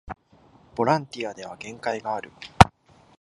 ボランティアでは限界がある